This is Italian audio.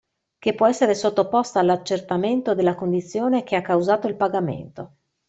Che può essere sottoposta all'accertamento della condizione che ha causato il pagamento.